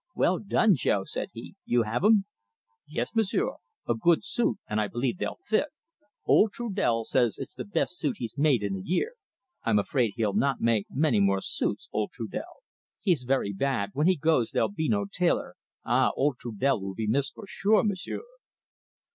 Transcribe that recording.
"Well done, Jo!" said he. "You have 'em?" "Yes, M'sieu'. A good suit, and I believe they'll fit. Old Trudel says it's the best suit he's made in a year. I'm afraid he'll not make many more suits, old Trudel. "He's very bad. When he goes there'll be no tailor ah, old Trudel will be missed for sure, M'sieu'!"